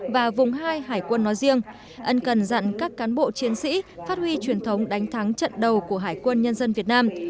và vùng hai hải quân nói riêng ân cần dặn các cán bộ chiến sĩ phát huy truyền thống đánh thắng trận đầu của hải quân nhân dân việt nam